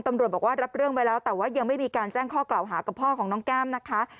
ตำรวจบอกว่ารับเรื่องไว้แล้วแต่ว่ายังไม่มีการแจ้งข้อกล่าวหากับพ่อของน้องแก้มนะคะ